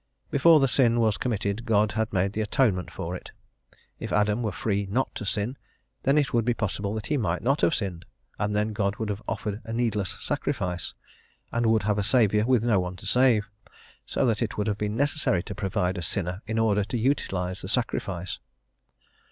Before the sin was committed God had made the atonement for it. If Adam were free not to sin, then it would be possible that he might not have sinned, and then God would have offered a needless sacrifice, and would have a Saviour with no one to save, so that it would have been necessary to provide a sinner in order to utilise the sacrifice.